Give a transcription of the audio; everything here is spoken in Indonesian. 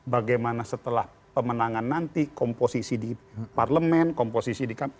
bagaimana setelah pemenangan nanti komposisi di parlemen komposisi di kpu